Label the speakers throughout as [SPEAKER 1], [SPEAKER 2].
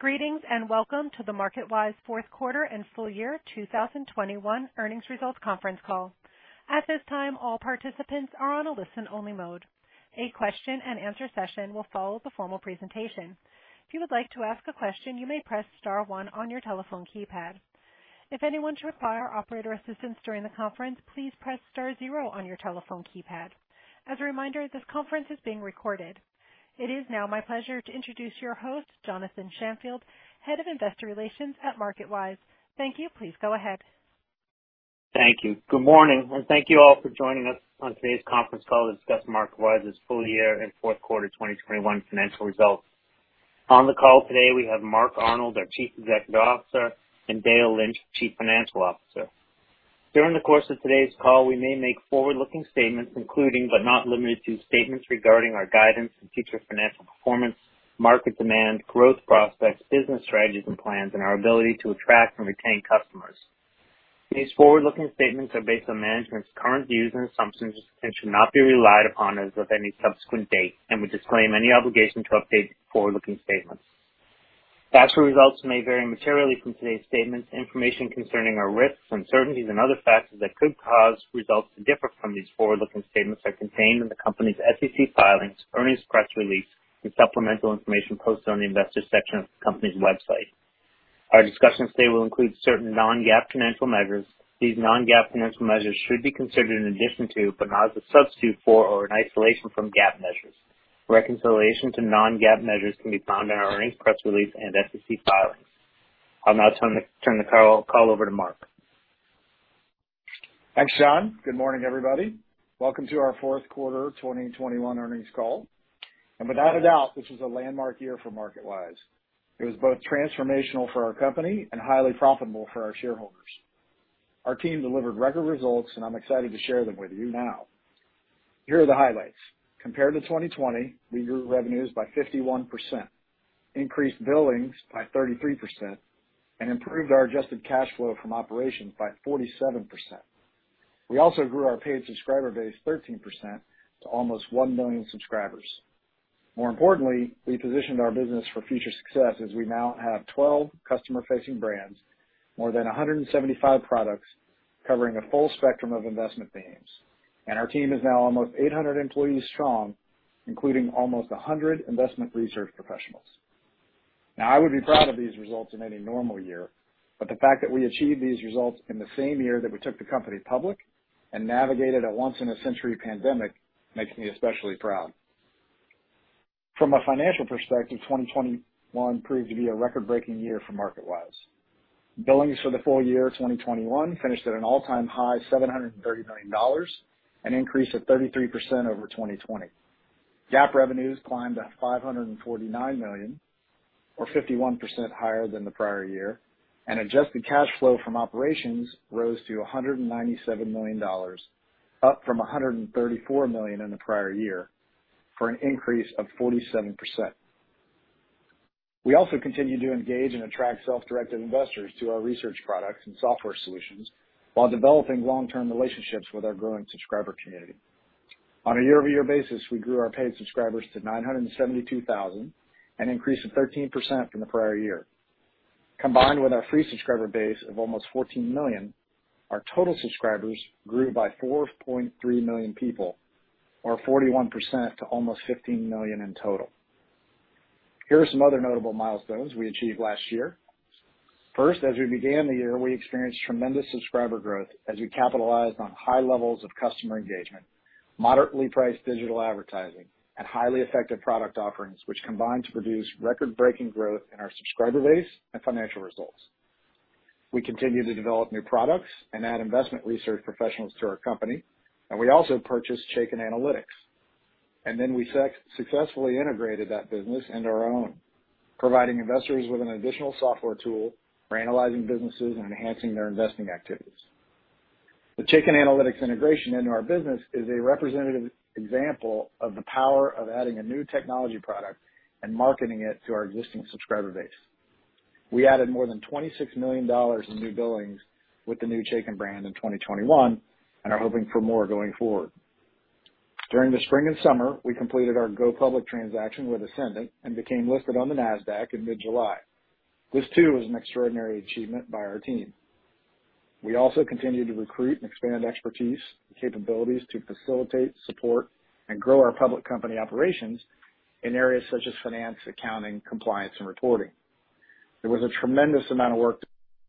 [SPEAKER 1] Greetings, and welcome to the MarketWise Q4 and full year 2021 earnings results conference call. At this time, all participants are on a listen-only mode. A question-and-answer session will follow the formal presentation. If you would like to ask a question, you may press star one on your telephone keypad. If anyone should require operator assistance during the conference, please press star zero on your telephone keypad. As a reminder, this conference is being recorded. It is now my pleasure to introduce your host, Jonathan Shanfield, Head of Investor Relations at MarketWise. Thank you. Please go ahead.
[SPEAKER 2] Thank you. Good morning, and thank you all for joining us on today's conference call to discuss MarketWise's full year and Q4 2021 financial results. On the call today, we have Mark Arnold, our Chief Executive Officer, and Dale Lynch, Chief Financial Officer. During the course of today's call, we may make forward-looking statements, including, but not limited to, statements regarding our guidance and future financial performance, market demand, growth prospects, business strategies and plans, and our ability to attract and retain customers. These forward-looking statements are based on management's current views and assumptions and should not be relied upon as of any subsequent date, and we disclaim any obligation to update these forward-looking statements. Actual results may vary materially from today's statements. Information concerning our risks, uncertainties, and other factors that could cause results to differ from these forward-looking statements are contained in the company's SEC filings, earnings press release, and supplemental information posted on the Investors section of the company's website. Our discussion today will include certain non-GAAP financial measures. These non-GAAP financial measures should be considered in addition to, but not as a substitute for or in isolation from GAAP measures. Reconciliation to non-GAAP measures can be found in our earnings press release and SEC filings. I'll now turn the call over to Mark.
[SPEAKER 3] Thanks, Jon. Good morning, everybody. Welcome to our Q4 2021 earnings call. Without a doubt, this was a landmark year for MarketWise. It was both transformational for our company and highly profitable for our shareholders. Our team delivered record results, and I'm excited to share them with you now. Here are the highlights. Compared to 2020, we grew revenues by 51%, increased billings by 33%, and improved our adjusted cash flow from operations by 47%. We also grew our paid subscriber base 13% to almost 1 million subscribers. More importantly, we positioned our business for future success as we now have 12 customer-facing brands, more than 175 products covering a full spectrum of investment themes. Our team is now almost 800 employees strong, including almost 100 investment research professionals. Now I would be proud of these results in any normal year, but the fact that we achieved these results in the same year that we took the company public and navigated a once-in-a-century pandemic makes me especially proud. From a financial perspective, 2021 proved to be a record-breaking year for MarketWise. Billings for the full year 2021 finished at an all-time high $730 million, an increase of 33% over 2020. GAAP revenues climbed to $549 million, or 51% higher than the prior year. Adjusted cash flow from operations rose to $197 million, up from $134 million in the prior year, for an increase of 47%. We also continued to engage and attract self-directed investors to our research products and software solutions while developing long-term relationships with our growing subscriber community. On a year-over-year basis, we grew our paid subscribers to 972,000, an increase of 13% from the prior year. Combined with our free subscriber base of almost 14 million, our total subscribers grew by 4.3 million people, or 41%, to almost 15 million in total. Here are some other notable milestones we achieved last year. First, as we began the year, we experienced tremendous subscriber growth as we capitalized on high levels of customer engagement, moderately priced digital advertising, and highly effective product offerings, which combined to produce record-breaking growth in our subscriber base and financial results. We continued to develop new products and add investment research professionals to our company, and we also purchased Chaikin Analytics. We successfully integrated that business into our own, providing investors with an additional software tool for analyzing businesses and enhancing their investing activities. The Chaikin Analytics integration into our business is a representative example of the power of adding a new technology product and marketing it to our existing subscriber base. We added more than $26 million in new billings with the new Chaikin brand in 2021 and are hoping for more going forward. During the spring and summer, we completed our go public transaction with Ascendant and became listed on the Nasdaq in mid-July. This too was an extraordinary achievement by our team. We also continued to recruit and expand expertise and capabilities to facilitate, support, and grow our public company operations in areas such as finance, accounting, compliance, and reporting. There was a tremendous amount of work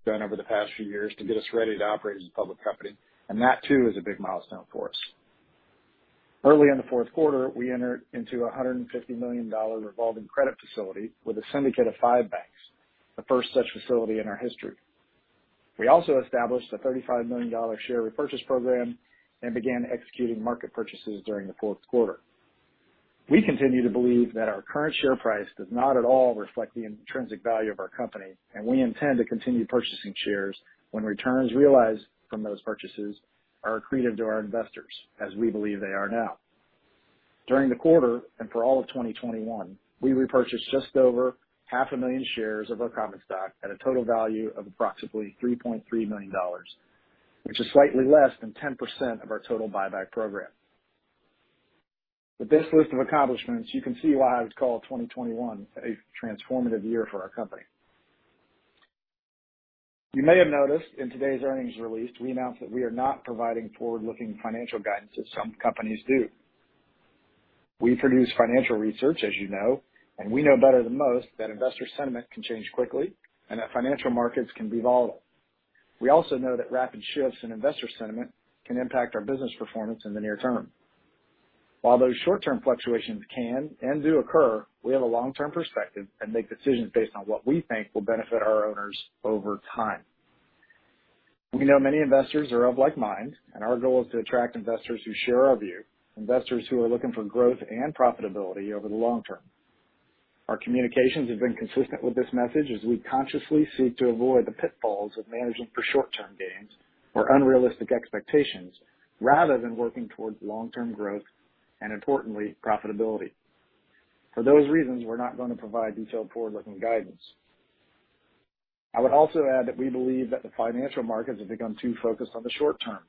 [SPEAKER 3] done over the past few years to get us ready to operate as a public company, and that too is a big milestone for us. Early in the Q4, we entered into a $150 million revolving credit facility with a syndicate of five banks, the first such facility in our history. We also established a $35 million share repurchase program and began executing market purchases during the Q4. We continue to believe that our current share price does not at all reflect the intrinsic value of our company, and we intend to continue purchasing shares when returns realized from those purchases are accretive to our investors, as we believe they are now. During the quarter, and for all of 2021, we repurchased just over 500,000 shares of our common stock at a total value of approximately $3.3 million, which is slightly less than 10% of our total buyback program. With this list of accomplishments, you can see why I would call 2021 a transformative year for our company. You may have noticed in today's earnings release, we announced that we are not providing forward-looking financial guidance as some companies do. We produce financial research, as you know, and we know better than most that investor sentiment can change quickly and that financial markets can be volatile. We also know that rapid shifts in investor sentiment can impact our business performance in the near term. While those short-term fluctuations can and do occur, we have a long-term perspective and make decisions based on what we think will benefit our owners over time. We know many investors are of like mind, and our goal is to attract investors who share our view, investors who are looking for growth and profitability over the long term. Our communications have been consistent with this message as we consciously seek to avoid the pitfalls of managing for short-term gains or unrealistic expectations, rather than working towards long-term growth, and importantly, profitability. For those reasons, we're not going to provide detailed forward-looking guidance. I would also add that we believe that the financial markets have become too focused on the short term,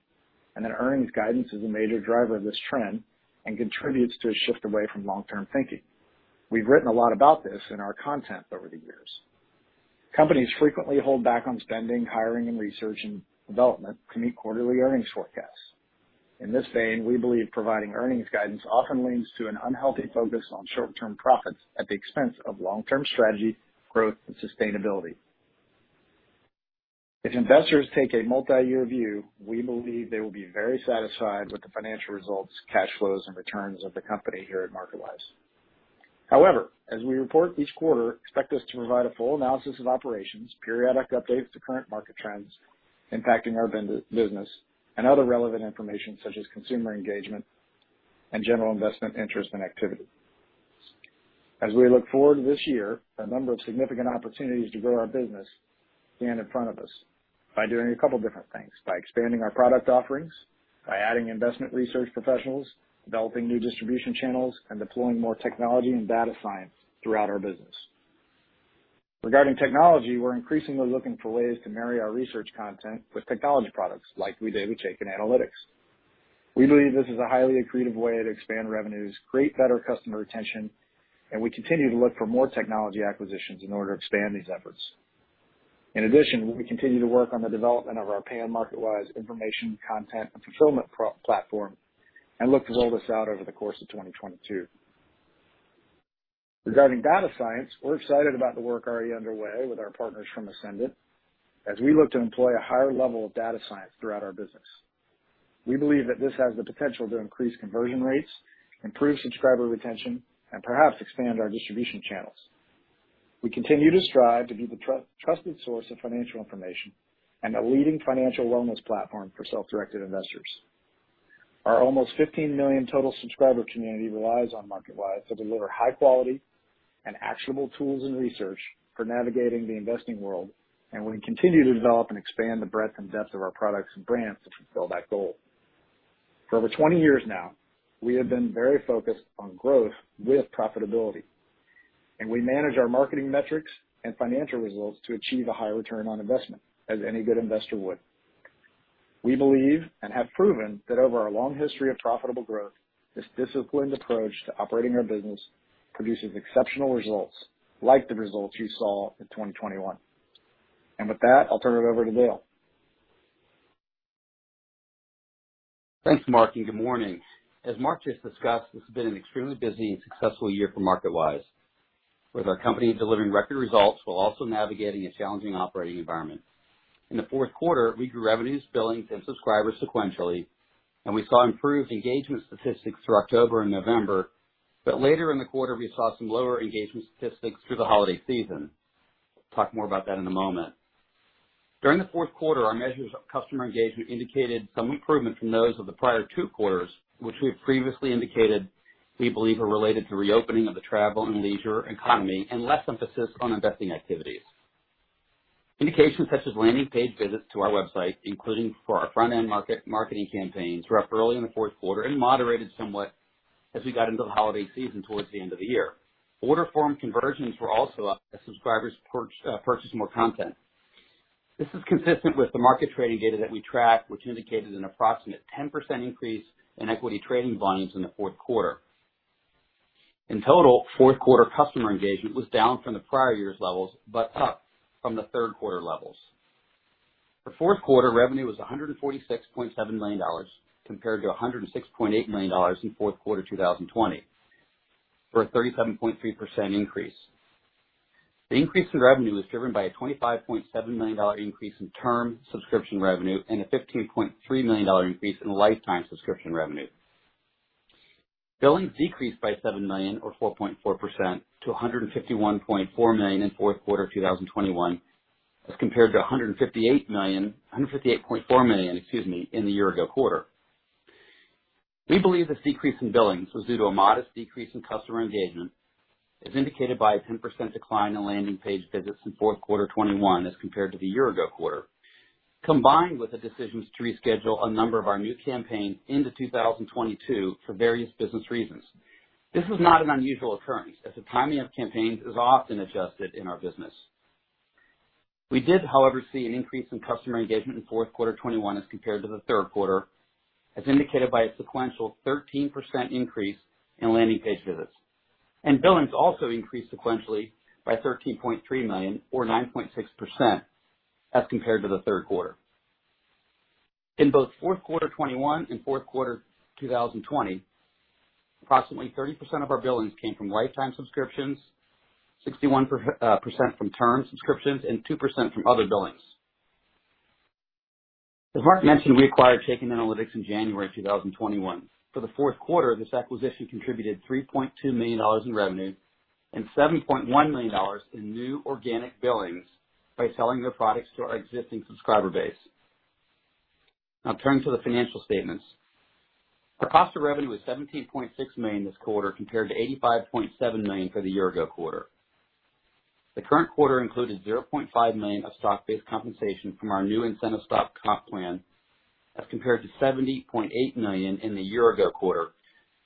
[SPEAKER 3] and that earnings guidance is a major driver of this trend and contributes to a shift away from long-term thinking. We've written a lot about this in our content over the years. Companies frequently hold back on spending, hiring, and research and development to meet quarterly earnings forecasts. In this vein, we believe providing earnings guidance often leads to an unhealthy focus on short-term profits at the expense of long-term strategy, growth, and sustainability. If investors take a multi-year view, we believe they will be very satisfied with the financial results, cash flows, and returns of the company here at MarketWise. However, as we report each quarter, expect us to provide a full analysis of operations, periodic updates to current market trends impacting our vendor business, and other relevant information such as consumer engagement and general investment interest and activity. As we look forward to this year, a number of significant opportunities to grow our business stand in front of us by doing a couple different things, by expanding our product offerings, by adding investment research professionals, developing new distribution channels, and deploying more technology and data science throughout our business. Regarding technology, we're increasingly looking for ways to marry our research content with technology products like we did with Chaikin Analytics. We believe this is a highly accretive way to expand revenues, create better customer retention, and we continue to look for more technology acquisitions in order to expand these efforts. In addition, we continue to work on the development of our pay and MarketWise information content and fulfillment platform and look to roll this out over the course of 2022. Regarding data science, we're excited about the work already underway with our partners from Ascendant as we look to employ a higher level of data science throughout our business. We believe that this has the potential to increase conversion rates, improve subscriber retention, and perhaps expand our distribution channels. We continue to strive to be the trusted source of financial information and a leading financial wellness platform for self-directed investors. Our almost 15 million total subscriber community relies on MarketWise to deliver high quality and actionable tools and research for navigating the investing world, and we continue to develop and expand the breadth and depth of our products and brands to fulfill that goal. For over 20 years now, we have been very focused on growth with profitability, and we manage our marketing metrics and financial results to achieve a high return on investment as any good investor would. We believe, and have proven, that over our long history of profitable growth, this disciplined approach to operating our business produces exceptional results, like the results you saw in 2021. With that, I'll turn it over to Dale.
[SPEAKER 4] Thanks, Mark, and good morning. As Mark just discussed, it's been an extremely busy and successful year for MarketWise, with our company delivering record results while also navigating a challenging operating environment. In the Q4, we grew revenues, billings, and subscribers sequentially, and we saw improved engagement statistics through October and November. Later in the quarter, we saw some lower engagement statistics through the holiday season. Talk more about that in a moment. During the Q4, our measures of customer engagement indicated some improvement from those of the prior two quarters, which we have previously indicated we believe are related to reopening of the travel and leisure economy and less emphasis on investing activities. Indications such as landing page visits to our website, including for our front-end marketing campaigns, were up early in the Q4 and moderated somewhat as we got into the holiday season towards the end of the year. Order form conversions were also up as subscribers purchased more content. This is consistent with the market trading data that we track, which indicated an approximate 10% increase in equity trading volumes in the Q4. In total, Q4 customer engagement was down from the prior year's levels, but up from the Q3 levels. For Q4, revenue was $146.7 million, compared to $106.8 million in Q4 2020, for a 37.3% increase. The increase in revenue was driven by a $25.7 million increase in term subscription revenue and a $15.3 million increase in lifetime subscription revenue. Billings decreased by $7 million or 4.4% to $151.4 million in Q4 2021, as compared to $158.4 million, excuse me, in the year ago quarter. We believe this decrease in billings was due to a modest decrease in customer engagement, as indicated by a 10% decline in landing page visits in Q4 2021 as compared to the year ago quarter, combined with the decisions to reschedule a number of our new campaigns into 2022 for various business reasons. This is not an unusual occurrence, as the timing of campaigns is often adjusted in our business. We did, however, see an increase in customer engagement in Q4 2021 as compared to the Q3, as indicated by a sequential 13% increase in landing page visits. Billings also increased sequentially by $13.3 million, or 9.6% as compared to the Q3. In both Q4 2021 and Q4 2020, approximately 30% of our billings came from lifetime subscriptions, 61% from term subscriptions, and 2% from other billings. As Mark mentioned, we acquired Chaikin Analytics in January 2021. For the Q4, this acquisition contributed $3.2 million in revenue and $7.1 million in new organic billings by selling their products to our existing subscriber base. Now turning to the financial statements. Our cost of revenue was $17.6 million this quarter compared to $85.7 million for the year ago quarter. The current quarter included $0.5 million of stock-based compensation from our new incentive stock comp plan, as compared to $70.8 million in the year ago quarter,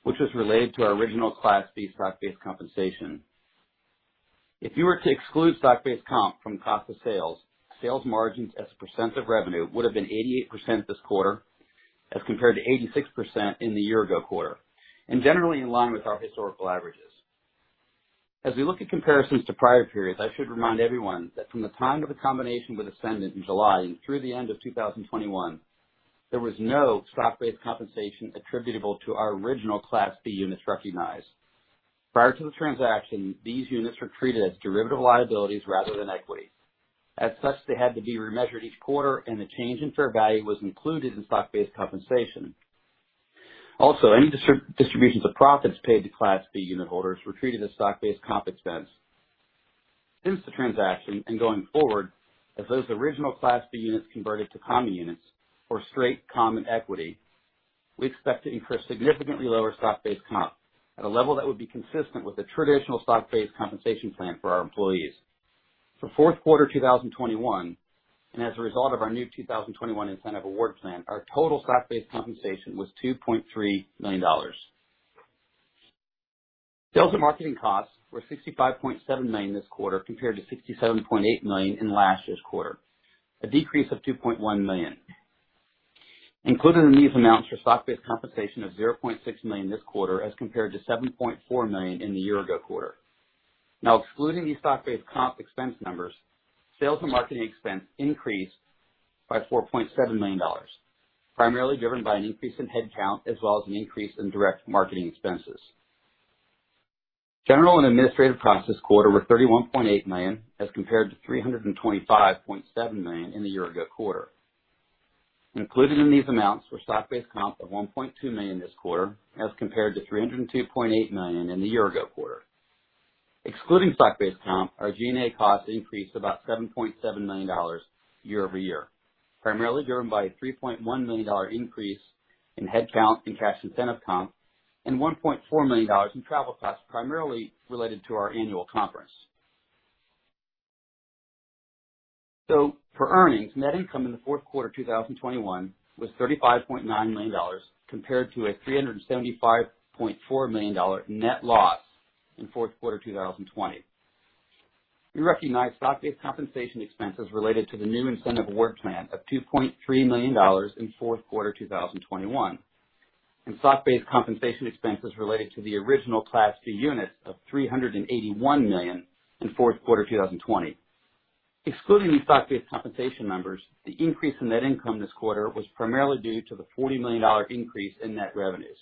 [SPEAKER 4] which was related to our original Class B stock-based compensation. If you were to exclude stock-based comp from cost of sales margins as a percent of revenue would have been 88% this quarter as compared to 86% in the year ago quarter, and generally in line with our historical averages. As we look at comparisons to prior periods, I should remind everyone that from the time of the combination with Ascendant in July and through the end of 2021, there was no stock-based compensation attributable to our original Class B units recognized. Prior to the transaction, these units were treated as derivative liabilities rather than equity. As such, they had to be remeasured each quarter, and the change in fair value was included in stock-based compensation. Also, any distributions of profits paid to Class B unit holders were treated as stock-based comp expense. Since the transaction and going forward, as those original Class B units converted to common units or straight common equity, we expect to incur significantly lower stock-based comp at a level that would be consistent with the traditional stock-based compensation plan for our employees. For Q4 2021, as a result of our new 2021 Incentive Award Plan, our total stock-based compensation was $2.3 million. Sales and marketing costs were $65.7 million this quarter compared to $67.8 million in last year's quarter, a decrease of $2.1 million. Included in these amounts are stock-based compensation of $0.6 million this quarter as compared to $7.4 million in the year-ago quarter. Excluding these stock-based comp expense numbers, sales and marketing expense increased by $4.7 million, primarily driven by an increase in headcount as well as an increase in direct marketing expenses. General and administrative costs this quarter were $31.8 million, as compared to $325.7 million in the year-ago quarter. Included in these amounts were stock-based comp of $1.2 million this quarter as compared to $302.8 million in the year-ago quarter. Excluding stock-based comp, our G&A costs increased about $7.7 million year-over-year, primarily driven by a $3.1 million increase in headcount and cash incentive comp and $1.4 million in travel costs, primarily related to our annual conference. For earnings, net income in the Q4 2021 was $35.9 million compared to a $375.4 million net loss in Q4 2020. We recognize stock-based compensation expenses related to the new incentive award plan of $2.3 million in Q4 2021, and stock-based compensation expenses related to the original Class B units of $381 million in Q4 2020. Excluding these stock-based compensation numbers, the increase in net income this quarter was primarily due to the $40 million increase in net revenues.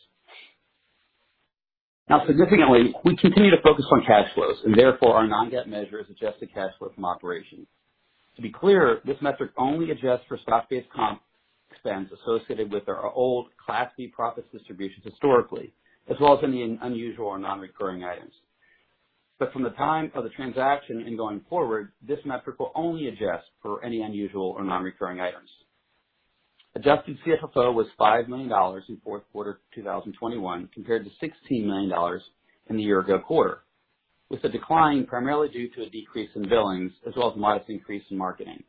[SPEAKER 4] Now significantly, we continue to focus on cash flows, and therefore our non-GAAP measure adjusted cash flow from operations. To be clear, this metric only adjusts for stock-based comp expense associated with our old Class B profits distributions historically, as well as any unusual or non-recurring items. But from the time of the transaction and going forward, this metric will only adjust for any unusual or non-recurring items. Adjusted CFFO was $5 million in Q4 2021 compared to $16 million in the year-ago quarter, with the decline primarily due to a decrease in billings as well as modest increase in marketing.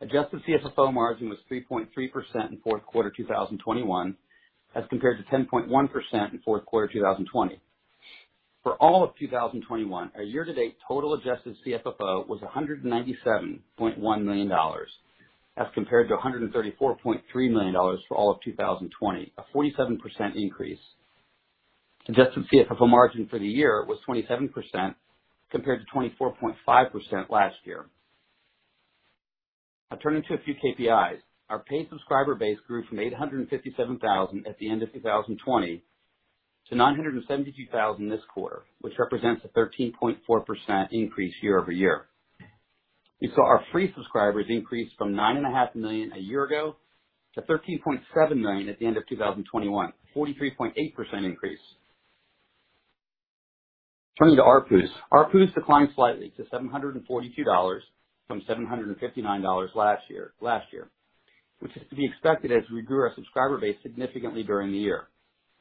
[SPEAKER 4] Adjusted CFFO margin was 3.3% in Q4 2021, as compared to 10.1% in Q4 2020. For all of 2021, our year-to-date total adjusted CFFO was $197.1 million, as compared to $134.3 million for all of 2020, a 47% increase. Adjusted CFFO margin for the year was 27% compared to 24.5% last year. Now turning to a few KPIs. Our paid subscriber base grew from 857,000 at the end of 2020 to 972,000 this quarter, which represents a 13.4% increase year-over-year. We saw our free subscribers increase from 9.5 million a year ago to 13.7 million at the end of 2021, a 43.8% increase. Turning to ARPUs. ARPUs declined slightly to $742 from $759 last year, which is to be expected as we grew our subscriber base significantly during the year.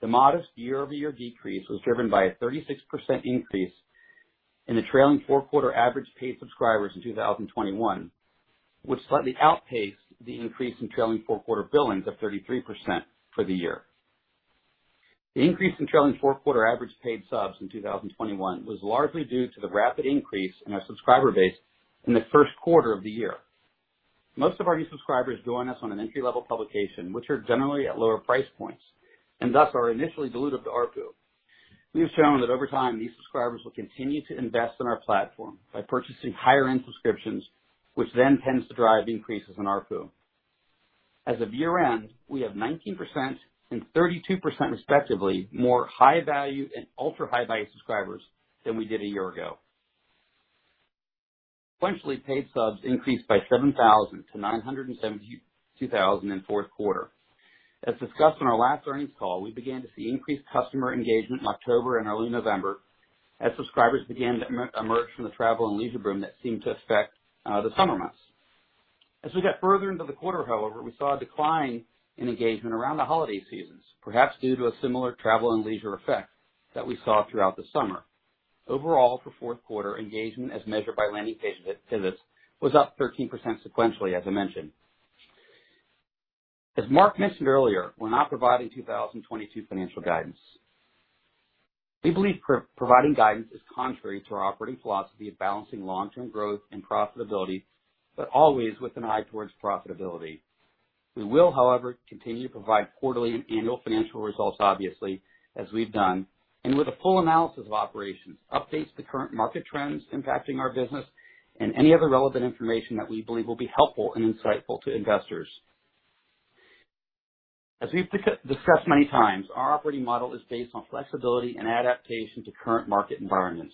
[SPEAKER 4] The modest year-over-year decrease was driven by a 36% increase in the trailing four-quarter average paid subscribers in 2021, which slightly outpaced the increase in trailing four-quarter billings of 33% for the year. The increase in trailing four-quarter average paid subs in 2021 was largely due to the rapid increase in our subscriber base in the Q1 of the year. Most of our new subscribers join us on an entry-level publication, which are generally at lower price points and thus are initially dilutive to ARPU. We have shown that over time, these subscribers will continue to invest in our platform by purchasing higher-end subscriptions, which then tends to drive increases in ARPU. As of year-end, we have 19% and 32%, respectively, more high-value and ultra-high-value subscribers than we did a year ago. Sequentially, paid subs increased by 7,000 to 972,000 in Q4. As discussed on our last earnings call, we began to see increased customer engagement in October and early November as subscribers began to emerge from the travel and leisure boom that seemed to affect the summer months. As we got further into the quarter, however, we saw a decline in engagement around the holiday seasons, perhaps due to a similar travel and leisure effect that we saw throughout the summer. Overall, for Q4, engagement as measured by landing page visits was up 13% sequentially, as I mentioned. As Mark mentioned earlier, we're not providing 2022 financial guidance. We believe providing guidance is contrary to our operating philosophy of balancing long-term growth and profitability, but always with an eye towards profitability. We will, however, continue to provide quarterly and annual financial results, obviously, as we've done, and with a full analysis of operations, updates to current market trends impacting our business and any other relevant information that we believe will be helpful and insightful to investors. As we've discussed many times, our operating model is based on flexibility and adaptation to current market environments.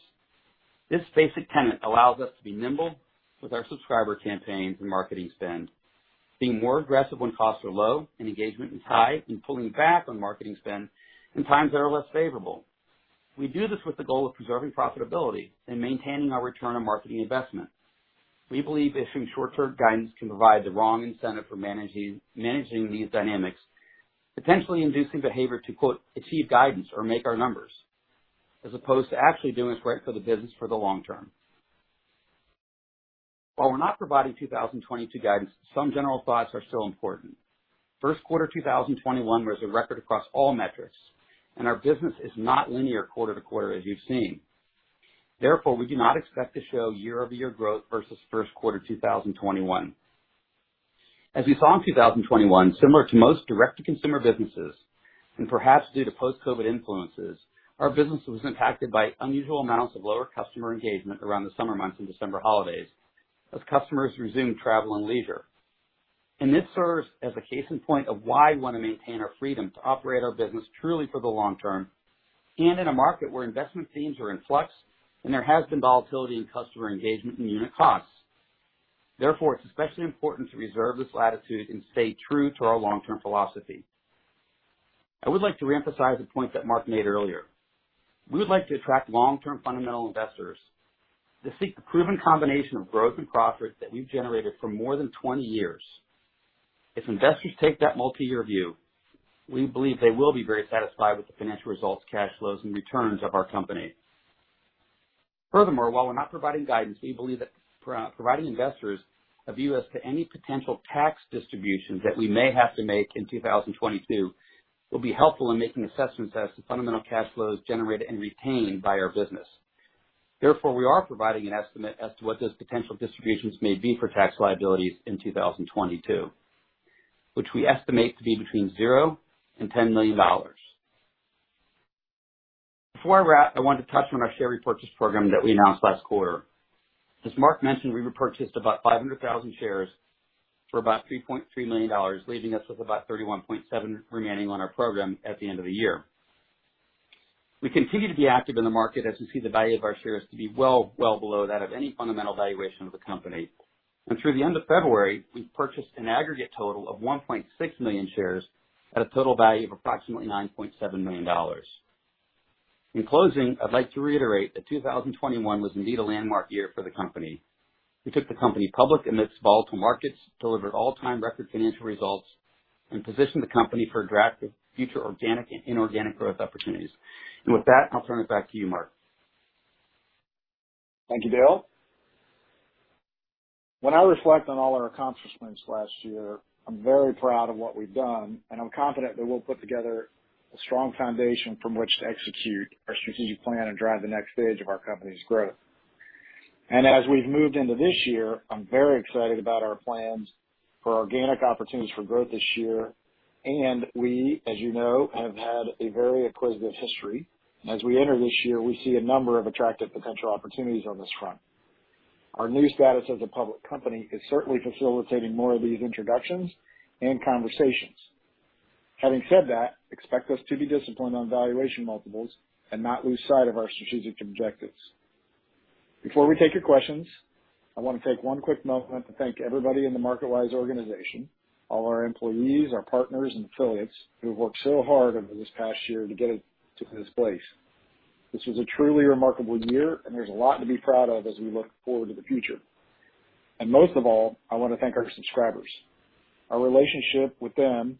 [SPEAKER 4] This basic tenet allows us to be nimble with our subscriber campaigns and marketing spend, being more aggressive when costs are low and engagement is high, and pulling back on marketing spend in times that are less favorable. We do this with the goal of preserving profitability and maintaining our return on marketing investment. We believe issuing short-term guidance can provide the wrong incentive for managing these dynamics, potentially inducing behavior to, quote, "Achieve guidance or make our numbers," as opposed to actually doing what's right for the business for the long term. While we're not providing 2022 guidance, some general thoughts are still important. Q1 2021 was a record across all metrics, and our business is not linear quarter to quarter as you've seen. Therefore, we do not expect to show year-over-year growth versus Q1 2021. As we saw in 2021, similar to most direct-to-consumer businesses, and perhaps due to post-COVID influences, our business was impacted by unusual amounts of lower customer engagement around the summer months and December holidays as customers resumed travel and leisure. This serves as a case in point of why we wanna maintain our freedom to operate our business truly for the long term and in a market where investment themes are in flux and there has been volatility in customer engagement and unit costs. Therefore, it's especially important to reserve this latitude and stay true to our long-term philosophy. I would like to reemphasize a point that Mark made earlier. We would like to attract long-term fundamental investors to seek the proven combination of growth and profits that we've generated for more than 20 years. If investors take that multiyear view, we believe they will be very satisfied with the financial results, cash flows, and returns of our company. Furthermore, while we're not providing guidance, we believe that providing investors a view as to any potential tax distributions that we may have to make in 2022 will be helpful in making assessments as to fundamental cash flows generated and retained by our business. Therefore, we are providing an estimate as to what those potential distributions may be for tax liabilities in 2022, which we estimate to be between $0 and $10 million. Before I wrap, I wanted to touch on our share repurchase program that we announced last quarter. As Mark mentioned, we repurchased about 500,000 shares for about $3.3 million, leaving us with about $31.7 million remaining on our program at the end of the year. We continue to be active in the market as we see the value of our shares to be well, well below that of any fundamental valuation of the company. Through the end of February, we've purchased an aggregate total of 1.6 million shares at a total value of approximately $9.7 million. In closing, I'd like to reiterate that 2021 was indeed a landmark year for the company. We took the company public amidst volatile markets, delivered all-time record financial results, and positioned the company for a raft of future organic and inorganic growth opportunities. With that, I'll turn it back to you, Mark.
[SPEAKER 3] Thank you, Dale. When I reflect on all our accomplishments last year, I'm very proud of what we've done, and I'm confident that we'll put together a strong foundation from which to execute our strategic plan and drive the next stage of our company's growth. As we've moved into this year, I'm very excited about our plans for organic opportunities for growth this year. We, as you know, have had a very acquisitive history. As we enter this year, we see a number of attractive potential opportunities on this front. Our new status as a public company is certainly facilitating more of these introductions and conversations. Having said that, expect us to be disciplined on valuation multiples and not lose sight of our strategic objectives. Before we take your questions, I wanna take one quick moment to thank everybody in the MarketWise organization, all our employees, our partners and affiliates who have worked so hard over this past year to get it to this place. This was a truly remarkable year, and there's a lot to be proud of as we look forward to the future. Most of all, I wanna thank our subscribers. Our relationship with them,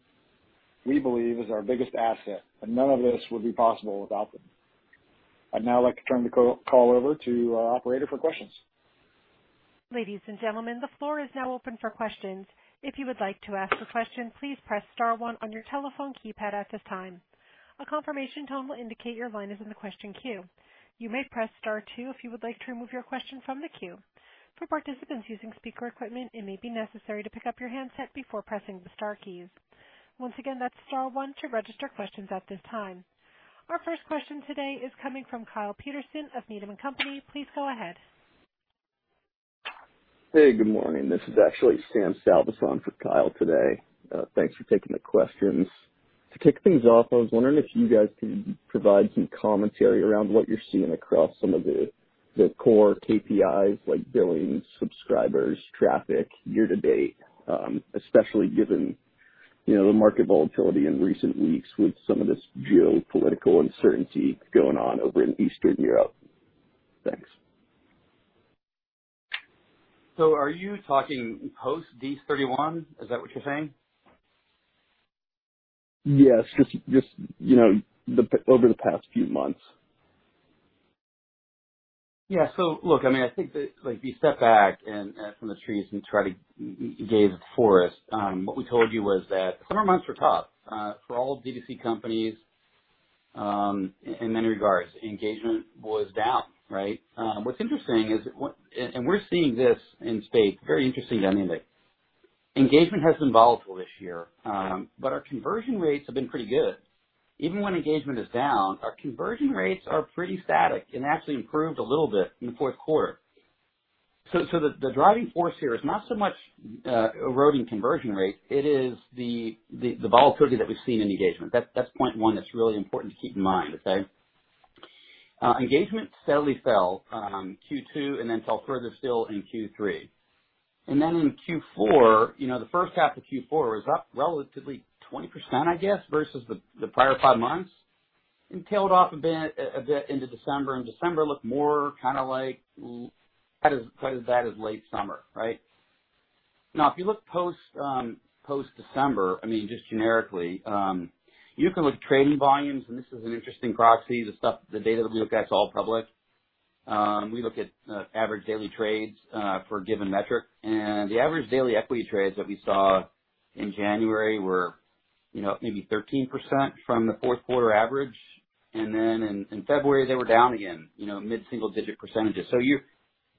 [SPEAKER 3] we believe, is our biggest asset, and none of this would be possible without them. I'd now like to turn the call over to our operator for questions.
[SPEAKER 1] Ladies and gentlemen, the floor is now open for questions. If you would like to ask a question, please press star one on your telephone keypad at this time. A confirmation tone will indicate your line is in the question queue. You may press star two if you would like to remove your question from the queue. For participants using speaker equipment, it may be necessary to pick up your handset before pressing the star keys. Once again, that's star one to register questions at this time. Our first question today is coming from Kyle Peterson of Needham & Company. Please go ahead.
[SPEAKER 5] Hey, good morning. This is actually Sam Salveson for Kyle today. Thanks for taking the questions. To kick things off, I was wondering if you guys can provide some commentary around what you're seeing across some of the core KPIs like billings, subscribers, traffic year to date, especially given, you know, the market volatility in recent weeks with some of this geopolitical uncertainty going on over in Eastern Europe. Thanks.
[SPEAKER 4] Are you talking post December 31? Is that what you're saying?
[SPEAKER 5] Yes, just, you know, over the past few months.
[SPEAKER 4] Yeah. Look, I mean, I think that, like, if you step back and, from the trees and try to gaze at the forest, what we told you was that summer months were tough, for all B2C companies, in many regards. Engagement was down, right? What's interesting is, and we're seeing this in spades, very interestingly, I might add. Engagement has been volatile this year, but our conversion rates have been pretty good. Even when engagement is down, our conversion rates are pretty static and actually improved a little bit in the Q4. The driving force here is not so much eroding conversion rate. It is the volatility that we've seen in engagement. That's point one that's really important to keep in mind. Okay? Engagement steadily fell Q2 and then fell further still in Q3. Then in Q4, you know, the first half of Q4 was up relatively 20%, I guess, versus the prior five months and tailed off a bit into December. December looked more kind of like as bad as late summer, right? Now, if you look post December, I mean, just generically, you can look at trading volumes and this is an interesting proxy. The stuff, the data that we look at is all public. We look at average daily trades for a given metric. The average daily equity trades that we saw in January were, you know, maybe 13% from the Q4 average. Then in February, they were down again, you know, mid-single digit percentages.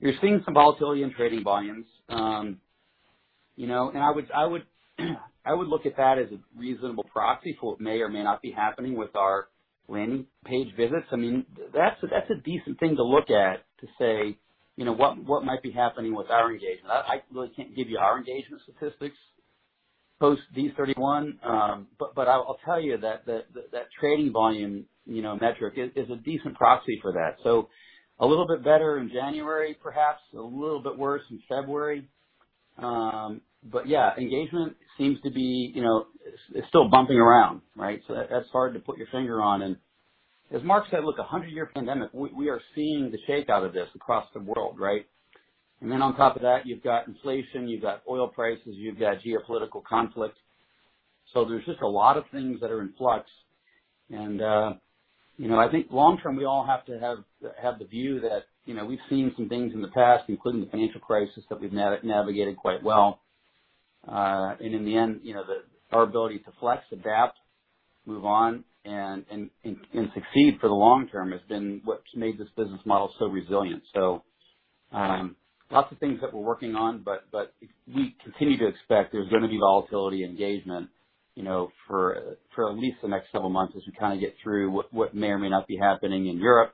[SPEAKER 4] You're seeing some volatility in trading volumes. You know, I would look at that as a reasonable proxy for what may or may not be happening with our landing page visits. I mean, that's a decent thing to look at to say, you know, what might be happening with our engagement. I really can't give you our engagement statistics post December 31. But I'll tell you that that trading volume, you know, metric is a decent proxy for that. A little bit better in January, perhaps, a little bit worse in February. But yeah, engagement seems to be, you know, it's still bumping around, right? That's hard to put your finger on. As Mark said, look, a hundred-year pandemic. We are seeing the shakeout of this across the world, right? Then on top of that, you've got inflation, you've got oil prices, you've got geopolitical conflict. There's just a lot of things that are in flux. You know, I think long term, we all have to have the view that, you know, we've seen some things in the past, including the financial crisis, that we've navigated quite well. In the end, you know, our ability to flex, adapt, move on and succeed for the long term has been what's made this business model so resilient. Lots of things that we're working on, but we continue to expect there's gonna be volatility engagement, you know, for at least the next several months as we kinda get through what may or may not be happening in Europe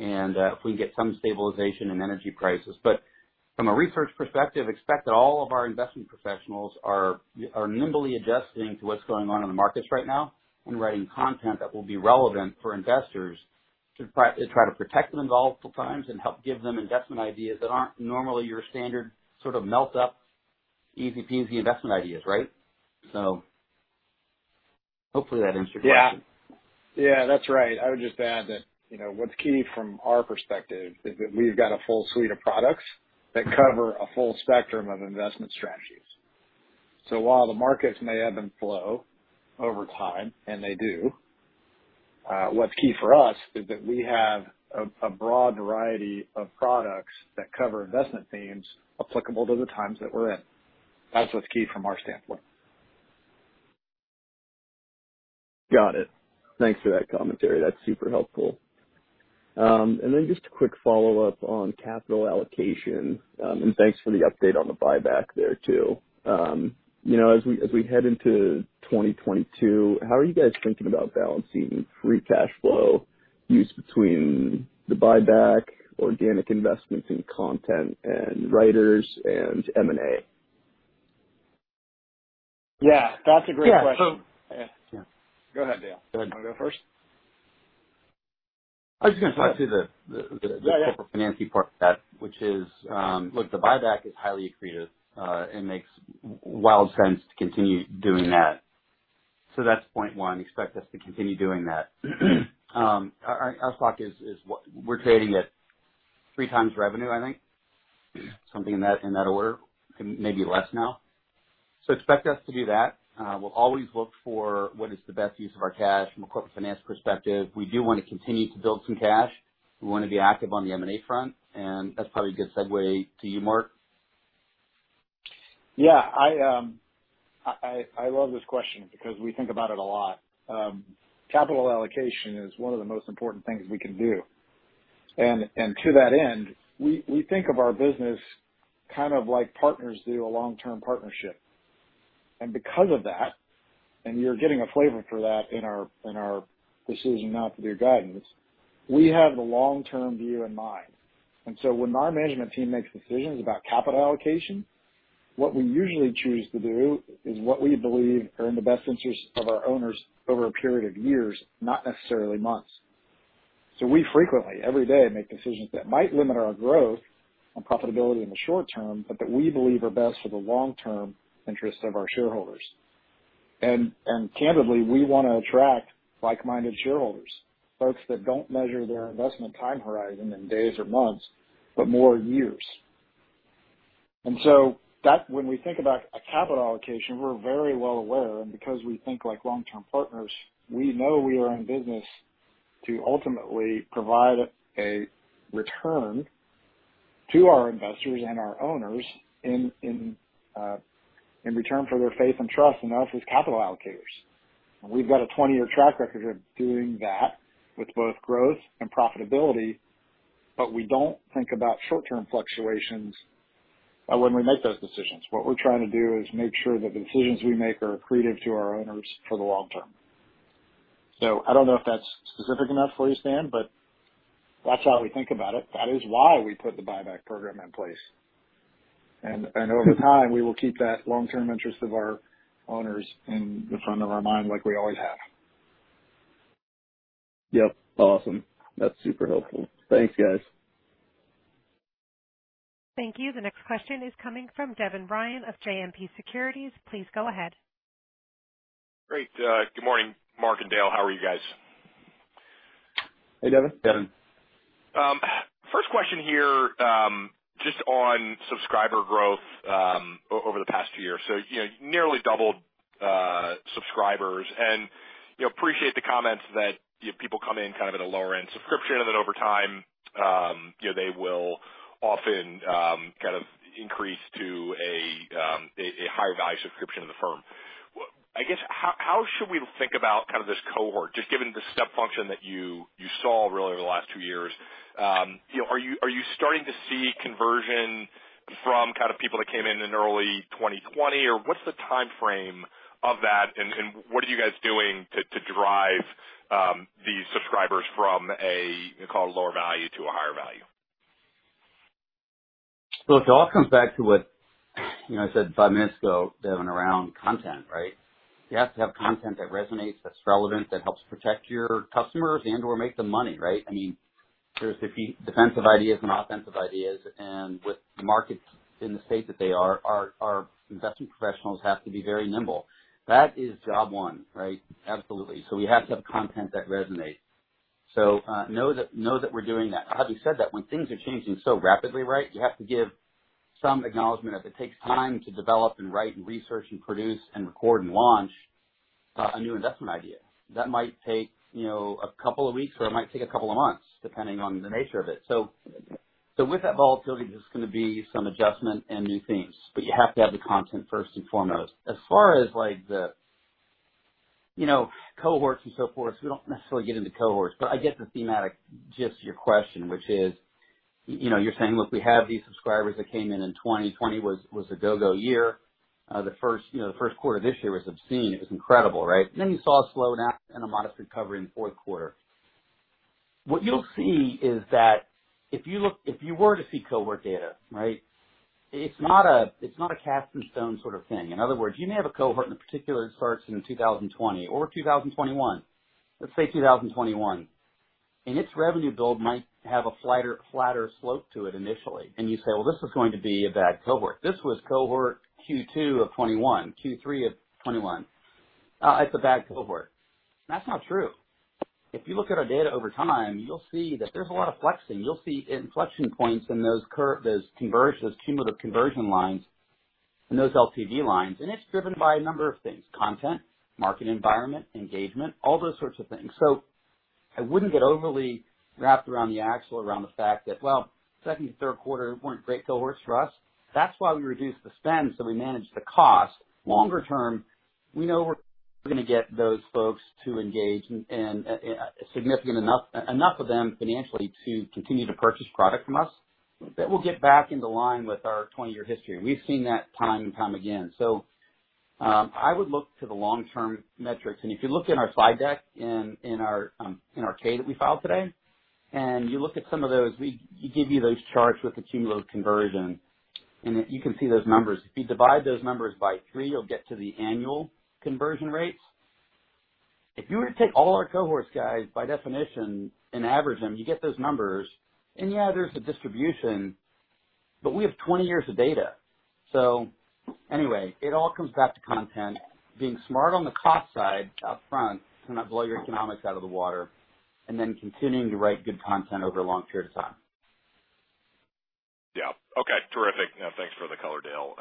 [SPEAKER 4] and if we can get some stabilization in energy prices. From a research perspective, expect that all of our investment professionals are nimbly adjusting to what's going on in the markets right now and writing content that will be relevant for investors to try to protect them in volatile times and help give them investment ideas that aren't normally your standard sort of melt up easy-peasy investment ideas, right? Hopefully that answered your question.
[SPEAKER 3] Yeah. Yeah, that's right. I would just add that, you know, what's key from our perspective is that we've got a full suite of products that cover a full spectrum of investment strategies. While the markets may ebb and flow over time, and they do, what's key for us is that we have a broad variety of products that cover investment themes applicable to the times that we're in. That's what's key from our standpoint.
[SPEAKER 5] Got it. Thanks for that commentary. That's super helpful. Then just a quick follow-up on capital allocation. Thanks for the update on the buyback there too. You know, as we head into 2022, how are you guys thinking about balancing free cash flow use between the buyback, organic investments in content and writers and M&A?
[SPEAKER 4] Yeah, that's a great question.
[SPEAKER 3] Yeah.
[SPEAKER 4] Yeah. Go ahead, Dale.
[SPEAKER 3] Go ahead. You want to go first?
[SPEAKER 4] I was just gonna talk to the corporate financing part of that, which is, look, the buyback is highly accretive, and makes wild sense to continue doing that. That's point one. Expect us to continue doing that. Our stock is we're trading at 3x revenue, I think. Something in that order. Maybe less now. Expect us to do that. We'll always look for what is the best use of our cash from a corporate finance perspective. We do wanna continue to build some cash. We wanna be active on the M&A front, and that's probably a good segue to you, Mark.
[SPEAKER 3] Yeah, I love this question because we think about it a lot. Capital allocation is one of the most important things we can do. To that end, we think of our business kind of like partners do a long-term partnership. Because of that, you're getting a flavor for that in our decision not to do guidance, we have the long-term view in mind. When our management team makes decisions about capital allocation, what we usually choose to do is what we believe are in the best interest of our owners over a period of years, not necessarily months. We frequently, every day, make decisions that might limit our growth and profitability in the short term, but that we believe are best for the long-term interest of our shareholders. Candidly, we wanna attract like-minded shareholders, folks that don't measure their investment time horizon in days or months, but more years. When we think about capital allocation, we're very well aware. Because we think like long-term partners, we know we are in business to ultimately provide a return to our investors and our owners in return for their faith and trust in us as capital allocators. We've got a 20-year track record of doing that with both growth and profitability, but we don't think about short-term fluctuations when we make those decisions. What we're trying to do is make sure that the decisions we make are accretive to our owners for the long term. I don't know if that's specific enough for you, Stan, but that's how we think about it. That is why we put the buyback program in place. Over time, we will keep that long-term interest of our owners in the front of our mind like we always have.
[SPEAKER 5] Yep. Awesome. That's super helpful. Thanks, guys.
[SPEAKER 1] Thank you. The next question is coming from Devin Ryan of JMP Securities. Please go ahead.
[SPEAKER 6] Great. Good morning, Mark and Dale. How are you guys?
[SPEAKER 3] Hey, Devin.
[SPEAKER 4] Devin.
[SPEAKER 6] First question here, just on subscriber growth over the past year. You know, nearly doubled subscribers, and you know, appreciate the comments that you have people come in kind of at a lower-end subscription, and then over time, you know, they will often kind of increase to a higher value subscription to the firm. I guess, how should we think about kind of this cohort, just given the step function that you saw really over the last two years? You know, are you starting to see conversion from kind of people that came in in early 2020, or what's the timeframe of that, and what are you guys doing to drive these subscribers from a, call it, lower value to a higher value?
[SPEAKER 4] Look, it all comes back to what, you know, I said 5 minutes ago, Devin, around content, right? You have to have content that resonates, that's relevant, that helps protect your customers and/or make them money, right? I mean, there's defensive ideas and offensive ideas, and with the markets in the state that they are, our investment professionals have to be very nimble. That is job one, right? Absolutely. We have to have content that resonates. Know that we're doing that. Having said that, when things are changing so rapidly, right, you have to give some acknowledgement that it takes time to develop and write and research and produce and record and launch a new investment idea. That might take, you know, a couple of weeks, or it might take a couple of months, depending on the nature of it. With that volatility, there's gonna be some adjustment and new themes, but you have to have the content first and foremost. As far as, like, you know, cohorts and so forth, we don't necessarily get into cohorts, but I get the thematic gist of your question, which is, you know, you're saying, look, we have these subscribers that came in in 2020. 2020 was a go-go year. The Q1 of this year was obscene. It was incredible, right? Then you saw a slowdown and a modest recovery in the Q4. What you'll see is that if you were to see cohort data, right, it's not a cast in stone sort of thing. In other words, you may have a cohort in the particular starts in 2020 or 2021. Let's say 2021, and its revenue build might have a flatter slope to it initially. You say, "Well, this is going to be a bad cohort. This was cohort Q2 of 2021, Q3 of 2021. It's a bad cohort." That's not true. If you look at our data over time, you'll see that there's a lot of flexing. You'll see inflection points in those conversions, those cumulative conversion lines and those LTV lines, and it's driven by a number of things: content, market environment, engagement, all those sorts of things. I wouldn't get overly wrapped around the axle around the fact that, well, second and Q3 weren't great cohorts for us. That's why we reduced the spend, so we managed the cost. Longer term, we know we're gonna get those folks to engage and significant enough of them financially to continue to purchase product from us, that we'll get back into line with our 20-year history. We've seen that time and time again. I would look to the long-term metrics. If you look in our slide deck in our K that we filed today, and you look at some of those, we give you those charts with the cumulative conversion, and you can see those numbers. If you divide those numbers by 3, you'll get to the annual conversion rates. If you were to take all our cohorts, guys, by definition and average them, you get those numbers. Yeah, there's a distribution, but we have 20 years of data. Anyway, it all comes back to content. Being smart on the cost side upfront to not blow your economics out of the water, and then continuing to write good content over a long period of time.
[SPEAKER 6] Yeah. Okay, terrific. Now thanks for the color, Dale.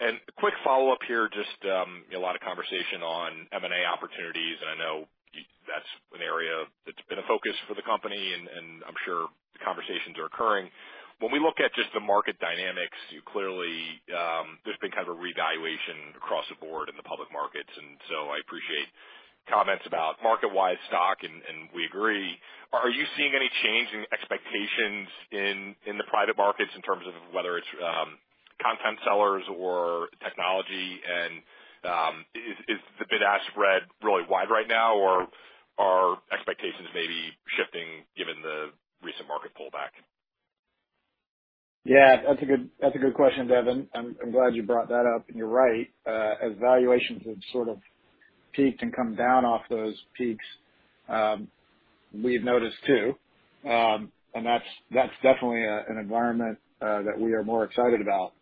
[SPEAKER 6] And a quick follow-up here. Just a lot of conversation on M&A opportunities, and I know that's an area that's been a focus for the company, and I'm sure the conversations are occurring. When we look at just the market dynamics, you clearly there's been kind of a revaluation across the board in the public markets, and so I appreciate comments about market-wide stock, and we agree. Are you seeing any change in expectations in the private markets in terms of whether it's content sellers or technology? And is the bid-ask spread really wide right now, or are expectations maybe shifting given the recent market pullback?
[SPEAKER 3] That's a good question, Devin. I'm glad you brought that up. You're right, as valuations have sort of peaked and come down off those peaks, we've noticed too. That's definitely an environment that we are more excited about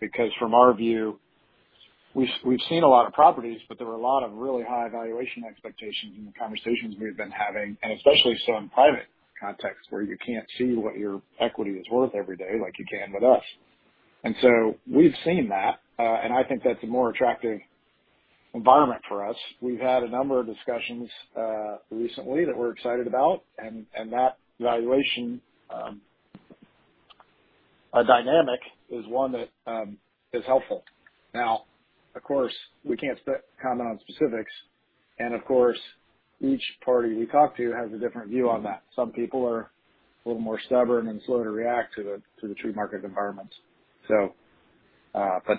[SPEAKER 3] because from our view we've seen a lot of properties, but there were a lot of really high valuation expectations in the conversations we've been having and especially so in private context, where you can't see what your equity is worth every day like you can with us. We've seen that. I think that's a more attractive environment for us. We've had a number of discussions recently that we're excited about and that valuation dynamic is one that is helpful. Now, of course, we can't comment on specifics, and of course, each party we talk to has a different view on that. Some people are a little more stubborn and slow to react to the true market environment. But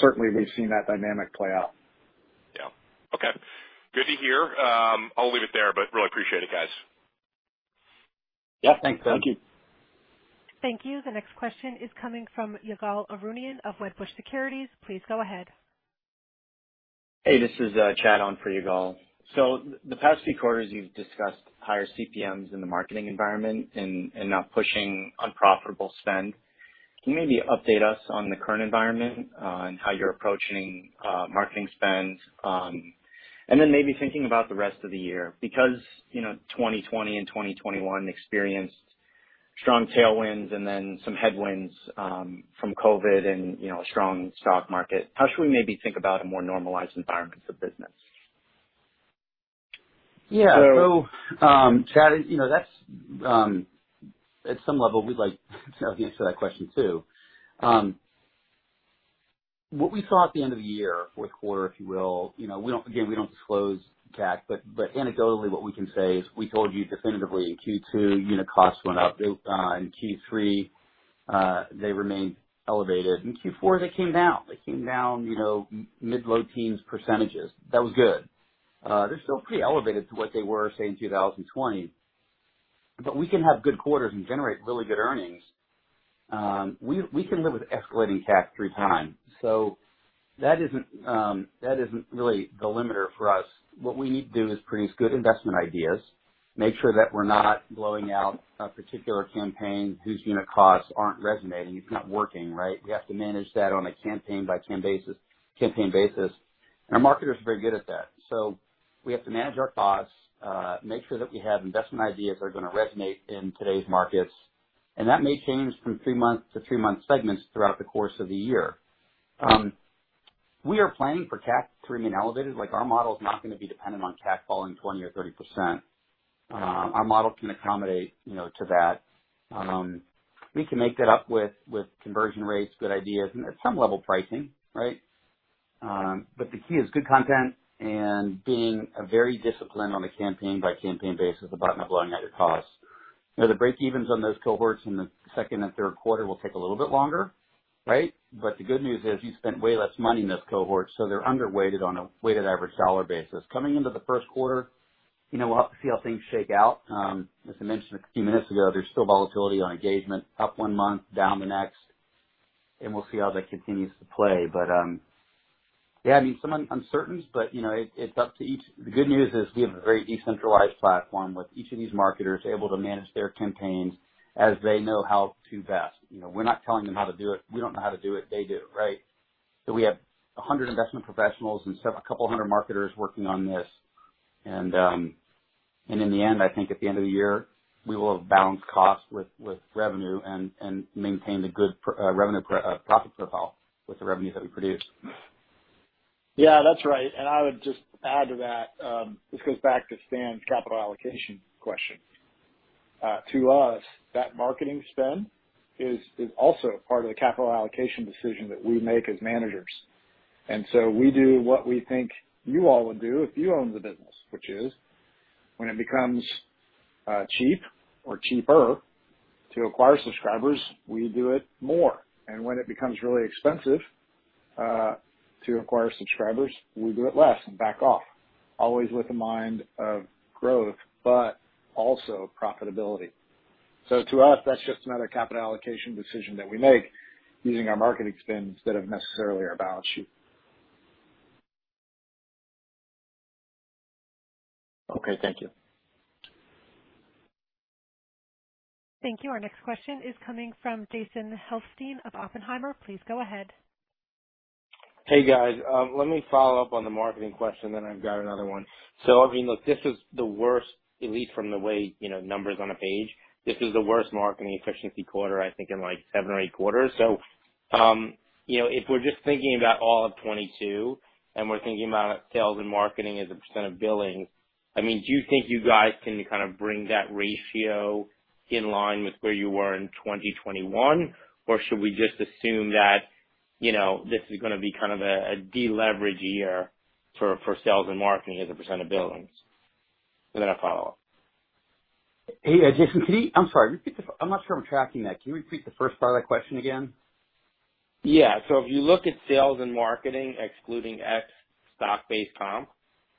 [SPEAKER 3] certainly we've seen that dynamic play out.
[SPEAKER 6] Yeah. Okay. Good to hear. I'll leave it there, but really appreciate it, guys.
[SPEAKER 4] Yeah. Thanks, Devin.
[SPEAKER 3] Thank you.
[SPEAKER 1] Thank you. The next question is coming from Ygal Arounian of Wedbush Securities. Please go ahead.
[SPEAKER 7] Hey, this is Chad on for Ygal Arounian. The past few quarters you've discussed higher CPMs in the marketing environment and not pushing unprofitable spend. Can you maybe update us on the current environment and how you're approaching marketing spends? Maybe thinking about the rest of the year because, you know, 2020 and 2021 experienced strong tailwinds and then some headwinds from COVID and, you know, a strong stock market. How should we maybe think about a more normalized environment for business?
[SPEAKER 4] Yeah.
[SPEAKER 7] So-
[SPEAKER 4] Chad, you know, that's at some level we'd like to be able to answer that question too. What we saw at the end of the year, Q4, if you will, you know, we don't, again, disclose CAC, but anecdotally, what we can say is we told you definitively in Q2 unit costs went up. In Q3, they remained elevated. In Q4, they came down. They came down, you know, mid-low teens%. That was good. They're still pretty elevated to what they were, say, in 2020. But we can have good quarters and generate really good earnings. We can live with escalating CAC through time. That isn't really the limiter for us. What we need to do is produce good investment ideas, make sure that we're not blowing out a particular campaign whose unit costs aren't resonating. It's not working, right? We have to manage that on a campaign basis. Our marketers are very good at that. We have to manage our costs, make sure that we have investment ideas that are gonna resonate in today's markets. That may change from three-month to three-month segments throughout the course of the year. We are planning for CAC to remain elevated, like our model is not gonna be dependent on CAC falling 20 or 30%. Our model can accommodate, you know, to that. We can make that up with conversion rates, good ideas, and at some level pricing, right? The key is good content and being very disciplined on a campaign by campaign basis about not blowing out your costs. You know, the breakevens on those cohorts in the second and Q3 will take a little bit longer, right? The good news is you spent way less money in those cohorts, so they're underweighted on a weighted average dollar basis. Coming into the Q1, you know, we'll have to see how things shake out. As I mentioned a few minutes ago, there's still volatility on engagement up one month, down the next, and we'll see how that continues to play. Yeah, I mean, some uncertainties, but, you know, it's up to each. The good news is we have a very decentralized platform with each of these marketers able to manage their campaigns as they know how to best. You know, we're not telling them how to do it. We don't know how to do it. They do, right? We have 100 investment professionals and a couple hundred marketers working on this. In the end, I think at the end of the year, we will have balanced costs with revenue and maintained a good revenue profit profile with the revenues that we produce.
[SPEAKER 3] Yeah, that's right. I would just add to that, this goes back to Stan's capital allocation question. To us, that marketing spend is also part of the capital allocation decision that we make as managers. We do what we think you all would do if you owned the business, which is when it becomes cheap or cheaper to acquire subscribers, we do it more. When it becomes really expensive to acquire subscribers, we do it less and back off, always with a mind of growth, but also profitability. To us, that's just another capital allocation decision that we make using our marketing spends that have an effect on our balance sheet.
[SPEAKER 7] Okay, thank you.
[SPEAKER 1] Thank you. Our next question is coming from Jason Helfstein of Oppenheimer. Please go ahead.
[SPEAKER 8] Hey guys. Let me follow up on the marketing question, then I've got another one. I mean, look, this is the worst, at least from the way, you know, numbers on a page. This is the worst marketing efficiency quarter, I think in like seven or eight quarters. You know, if we're just thinking about all of 2022, and we're thinking about sales and marketing as a % of billings, I mean, do you think you guys can kind of bring that ratio in line with where you were in 2021? Or should we just assume that, you know, this is gonna be kind of a deleverage year for sales and marketing as a % of billings? And then I follow up.
[SPEAKER 4] Hey, Jason, I'm sorry. I'm not sure I'm tracking that. Can you repeat the first part of that question again?
[SPEAKER 8] Yeah. If you look at sales and marketing, excluding X stock-based comp,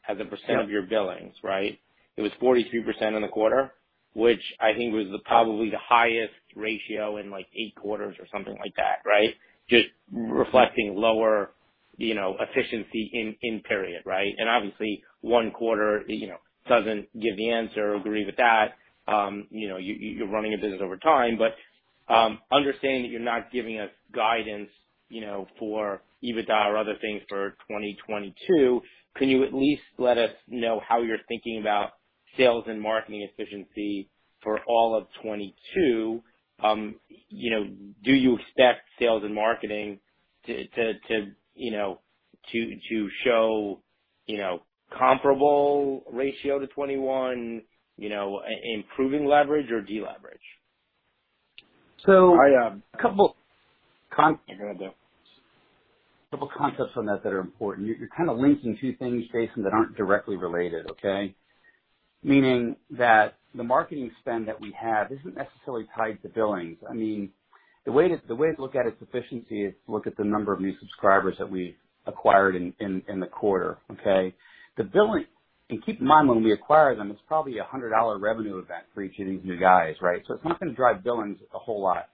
[SPEAKER 8] as a percent-
[SPEAKER 4] Yep.
[SPEAKER 8] of your billings, right? It was 42% in the quarter, which I think was the probably the highest ratio in like 8 quarters or something like that, right? Just reflecting lower, you know, efficiency in period, right? Obviously one quarter, you know, doesn't give the answer, agree with that. You know, you're running a business over time, but understanding that you're not giving us guidance, you know, for EBITDA or other things for 2022, can you at least let us know how you're thinking about sales and marketing efficiency for all of 2022? You know, do you expect sales and marketing to show, you know, comparable ratio to 2021, you know, improving leverage or deleverage?
[SPEAKER 4] So-
[SPEAKER 8] I, um-
[SPEAKER 4] -a couple con-
[SPEAKER 8] I got that.
[SPEAKER 4] A couple concepts on that are important. You're kind of linking two things, Jason, that aren't directly related, okay? Meaning that the marketing spend that we have isn't necessarily tied to billings. I mean, the way to look at its efficiency is to look at the number of new subscribers that we acquired in the quarter, okay? Keep in mind when we acquire them, it's probably a $100 revenue event for each of these new guys, right? It's not gonna drive billings a whole lot.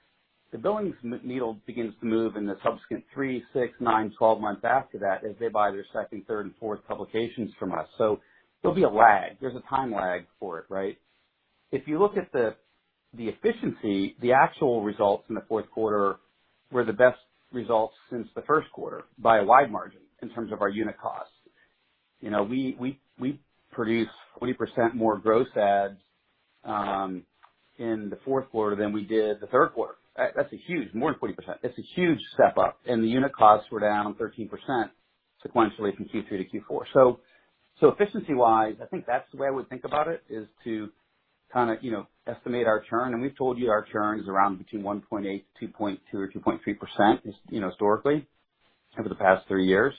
[SPEAKER 4] The billings needle begins to move in the subsequent 3, 6, 9, 12 months after that as they buy their second, third and fourth publications from us. There'll be a lag. There's a time lag for it, right? If you look at the efficiency, the actual results in the Q4 were the best results since the Q1 by a wide margin in terms of our unit costs. You know, we produced 40% more gross adds in the Q4 than we did the Q3. That's a huge more than 40%. That's a huge step up. The unit costs were down 13% sequentially from Q3 to Q4. Efficiency-wise, I think that's the way I would think about it, is to kind of, you know, estimate our churn. We've told you our churn is around between 1.8% to 2.2% or 2.3%, you know, historically over the past 3 years.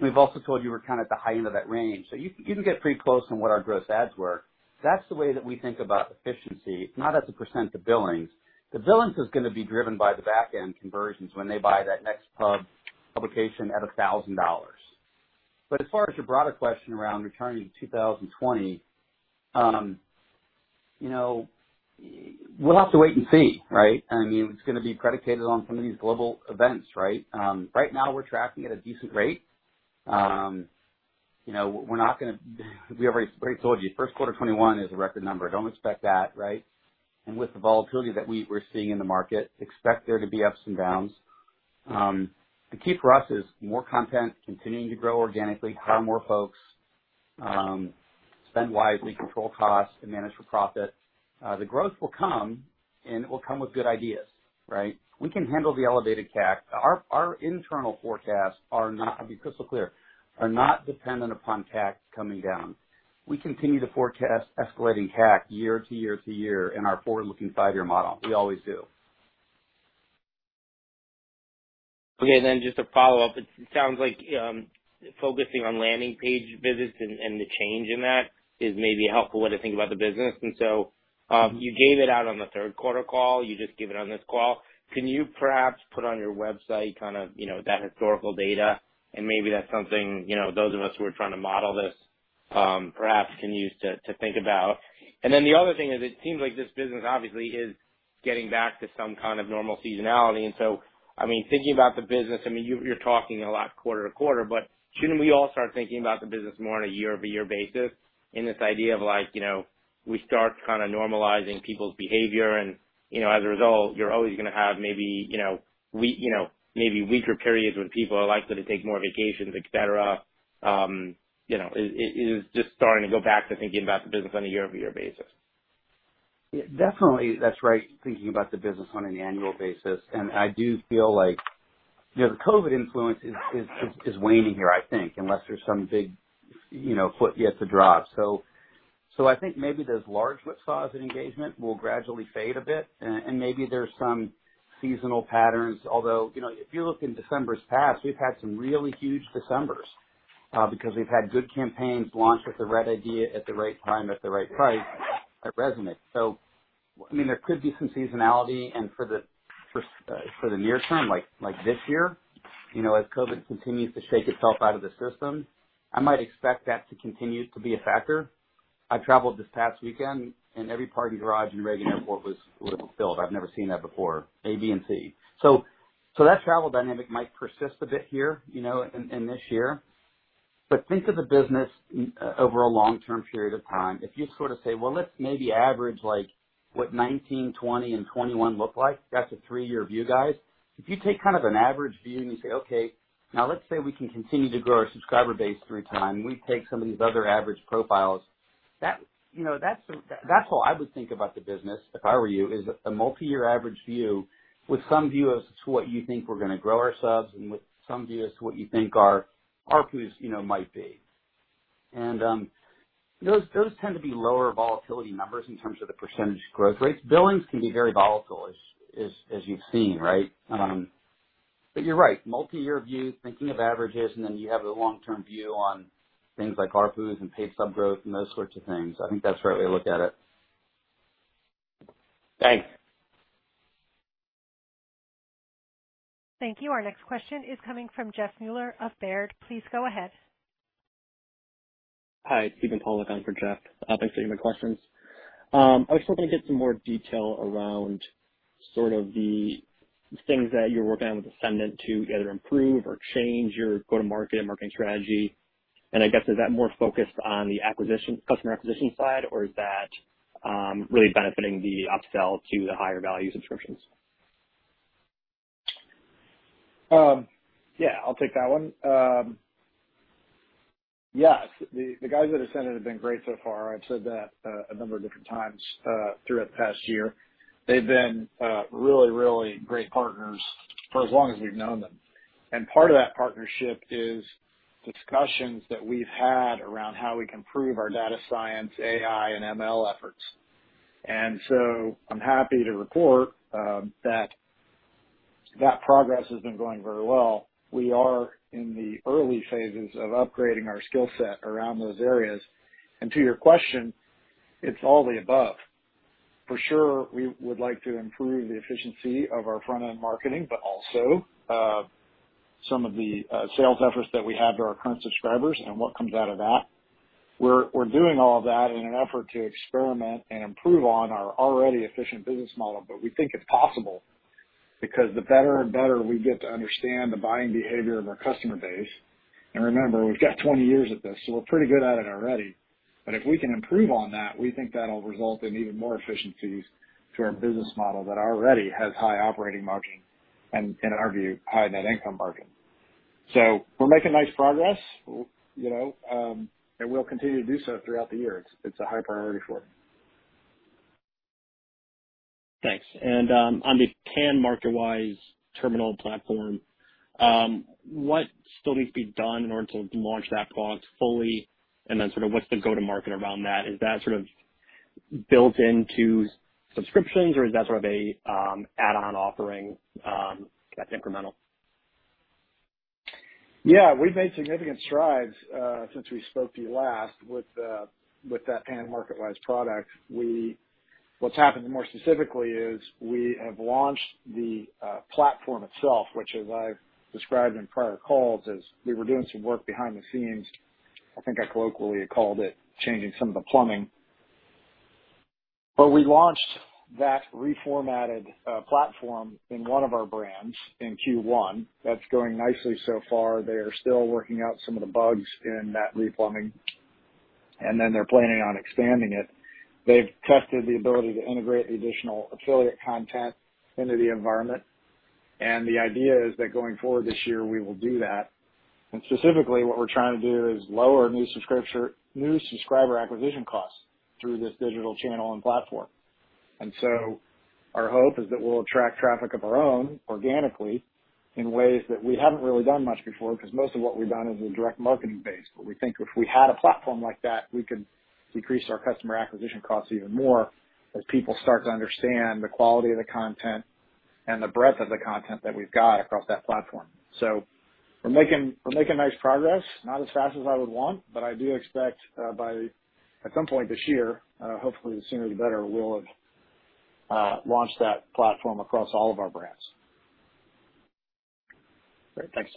[SPEAKER 4] We've also told you we're kind of at the high end of that range. You can get pretty close on what our gross adds were. That's the way that we think about efficiency, not as a percent of billings. The billings is gonna be driven by the back end conversions when they buy that next publication at $1,000. But as far as your broader question around returning to 2020, you know, we'll have to wait and see, right? I mean, it's gonna be predicated on some of these global events, right? Right now we're tracking at a decent rate. You know, we already told you, Q1 2021 is a record number. Don't expect that, right? With the volatility that we're seeing in the market, expect there to be ups and downs. The key for us is more content continuing to grow organically, hire more folks, spend wisely, control costs and manage for profit. The growth will come and it will come with good ideas, right? We can handle the elevated CAC. Our internal forecasts are not, I'll be crystal clear, are not dependent upon CAC coming down. We continue to forecast escalating CAC year to year to year in our forward-looking five-year model. We always do.
[SPEAKER 8] Okay. Just a follow-up. It sounds like focusing on landing page visits and the change in that is maybe a helpful way to think about the business. You gave it out on the Q3 call, you just gave it on this call. Can you perhaps put on your website kind of, you know, that historical data and maybe that's something, you know, those of us who are trying to model this, perhaps can use to think about. The other thing is it seems like this business obviously is getting back to some kind of normal seasonality. I mean, thinking about the business, I mean, you're talking a lot quarter-to-quarter, but shouldn't we all start thinking about the business more on a year-over-year basis in this idea of like, you know, we start kind of normalizing people's behavior and, you know, as a result you're always gonna have maybe, you know, maybe weaker periods when people are likely to take more vacations, et cetera. Is just starting to go back to thinking about the business on a year-over-year basis.
[SPEAKER 4] Yeah, definitely that's right. Thinking about the business on an annual basis. I do feel like, you know, the COVID influence is waning here, I think, unless there's some big, you know, shoe yet to drop. So I think maybe those large boosts in engagement will gradually fade a bit. And maybe there's some seasonal patterns. Although, you know, if you look in decembers past, we've had some really huge decembers, because we've had good campaigns launched with the right idea at the right time, at the right price, that resonate. So, I mean, there could be some seasonality and for the near term, like this year, you know, as COVID continues to shake itself out of the system, I might expect that to continue to be a factor. I traveled this past weekend and every parking garage in Reagan Airport was filled. I've never seen that before, A, B, and C. That travel dynamic might persist a bit here, you know, in this year. Think of the business over a long-term period of time. If you sort of say, "Well, let's maybe average, like, what 19, 20 and 21 look like," that's a three-year view, guys. If you take kind of an average view and you say, "Okay, now let's say we can continue to grow our subscriber base through time. We take some of these other average profiles, you know, that's how I would think about the business if I were you, is a multi-year average view with some view as to what you think we're gonna grow our subs and with some view as to what you think our ARPU, as you know, might be. Those tend to be lower volatility numbers in terms of the percentage growth rates. Billings can be very volatile, as you've seen, right? But you're right, multi-year view, thinking of averages, and then you have the long-term view on things like ARPUs and paid sub growth and those sorts of things. I think that's the right way to look at it.
[SPEAKER 3] Thanks.
[SPEAKER 1] Thank you. Our next question is coming from Jeff Meuler of Baird. Please go ahead.
[SPEAKER 9] Hi, it's Stephen Park again for Jeff. Thanks for taking my questions. I was hoping to get some more detail around sort of the things that you're working on with Ascendant to either improve or change your go-to-market marketing strategy. I guess, is that more focused on the customer acquisition side, or is that really benefiting the upsell to the higher value subscriptions?
[SPEAKER 3] Yeah, I'll take that one. Yes, the guys at Ascendant have been great so far. I've said that a number of different times throughout the past year. They've been really, really great partners for as long as we've known them. Part of that partnership is discussions that we've had around how we can improve our data science, AI, and ML efforts. I'm happy to report that progress has been going very well. We are in the early phases of upgrading our skill set around those areas. To your question, it's all the above. For sure, we would like to improve the efficiency of our front-end marketing, but also some of the sales efforts that we have to our current subscribers and what comes out of that. We're doing all of that in an effort to experiment and improve on our already efficient business model. We think it's possible because the better and better we get to understand the buying behavior of our customer base, and remember, we've got 20 years at this, so we're pretty good at it already. If we can improve on that, we think that'll result in even more efficiencies to our business model that already has high operating margin and, in our view, high net income margin. We're making nice progress, you know, and we'll continue to do so throughout the year. It's a high priority for me.
[SPEAKER 9] Thanks. On the TradeSmith MarketWise terminal platform, what still needs to be done in order to launch that product fully? Then sort of what's the go-to-market around that? Is that sort of built into subscriptions or is that sort of an add-on offering that's incremental?
[SPEAKER 3] Yeah, we've made significant strides since we spoke to you last with that TAN MarketWise product. What's happened more specifically is we have launched the platform itself, which as I've described in prior calls, is we were doing some work behind the scenes. I think I colloquially called it changing some of the plumbing. We launched that reformatted platform in one of our brands in Q1. That's going nicely so far. They are still working out some of the bugs in that replumbing, and then they're planning on expanding it. They've tested the ability to integrate the additional affiliate content into the environment, and the idea is that going forward this year, we will do that. Specifically, what we're trying to do is lower new subscriber acquisition costs through this digital channel and platform. Our hope is that we'll attract traffic of our own organically in ways that we haven't really done much before, because most of what we've done is a direct marketing base. We think if we had a platform like that, we can decrease our customer acquisition costs even more as people start to understand the quality of the content and the breadth of the content that we've got across that platform. We're making nice progress. Not as fast as I would want, but I do expect by at some point this year, hopefully, the sooner the better, we'll have launched that platform across all of our brands.
[SPEAKER 9] Great. Thanks.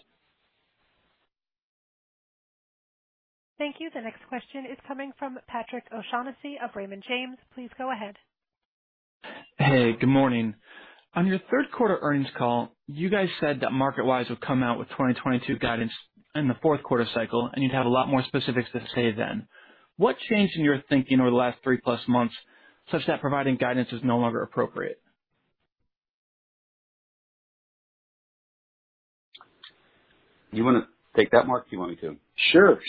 [SPEAKER 1] Thank you. The next question is coming from Patrick O'Shaughnessy of Raymond James. Please go ahead.
[SPEAKER 10] Hey, good morning. On your Q3 earnings call, you guys said that MarketWise would come out with 2022 guidance in the Q4 cycle, and you'd have a lot more specifics to say then. What changed in your thinking over the last 3-plus months such that providing guidance is no longer appropriate?
[SPEAKER 4] You wanna take that, Mark? Do you want me to? Sure.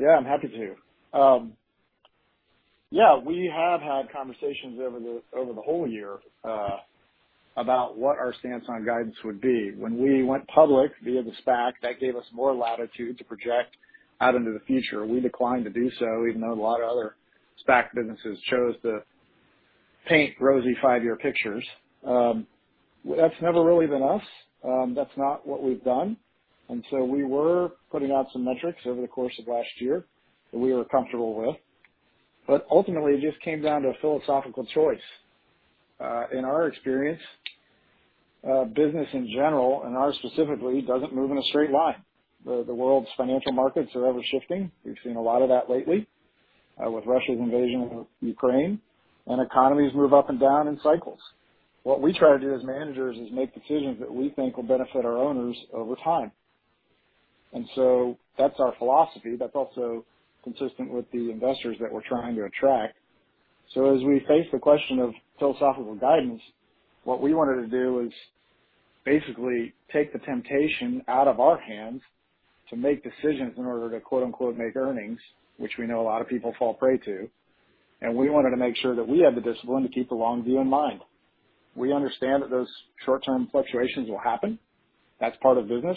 [SPEAKER 4] Yeah, I'm happy to. Yeah, we have had conversations over the whole year about what our stance on guidance would be. When we went public via the SPAC, that gave us more latitude to project out into the future. We declined to do so, even though a lot of other SPAC businesses chose to paint rosy five-year pictures. That's never really been us. That's not what we've done. We were putting out some metrics over the course of last year that we were comfortable with, but ultimately, it just came down to a philosophical choice. In our experience, business in general, and ours specifically, doesn't move in a straight line. The world's financial markets are ever-shifting. We've seen a lot of that lately. With Russia's invasion of Ukraine and economies move up and down in cycles. What we try to do as managers is make decisions that we think will benefit our owners over time. That's our philosophy. That's also consistent with the investors that we're trying to attract. As we face the question of philosophical guidance, what we wanted to do is basically take the temptation out of our hands to make decisions in order to, quote-unquote, "Make earnings," which we know a lot of people fall prey to. We wanted to make sure that we have the discipline to keep the long view in mind. We understand that those short-term fluctuations will happen. That's part of business,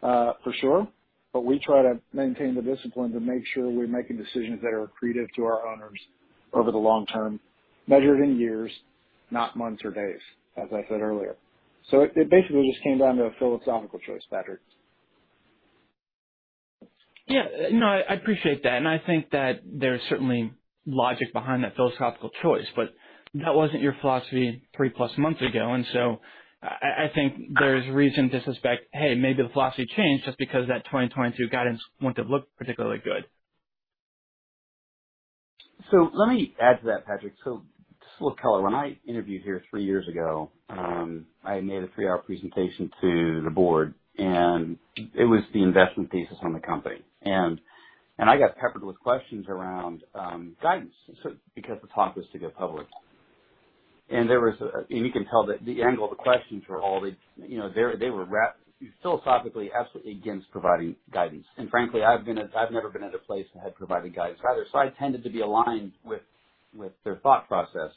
[SPEAKER 4] for sure. We try to maintain the discipline to make sure we're making decisions that are accretive to our owners over the long term, measured in years, not months or days, as I said earlier. It basically just came down to a philosophical choice, Patrick.
[SPEAKER 10] Yeah. No, I appreciate that, and I think that there's certainly logic behind that philosophical choice. That wasn't your philosophy three-plus months ago, and so I think there's reason to suspect, hey, maybe the philosophy changed just because that 2022 guidance wouldn't have looked particularly good.
[SPEAKER 4] Let me add to that, Patrick. Just a little color. When I interviewed here three years ago, I made a three-hour presentation to the board, and it was the investment thesis on the company. I got peppered with questions around guidance, because the talk was to go public. You can tell that the angle of the questions were all the, you know, they were philosophically, absolutely against providing guidance. Frankly, I've never been at a place that had provided guidance either, so I tended to be aligned with their thought process.